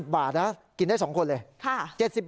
๕๐บาทกินได้๒คนเลย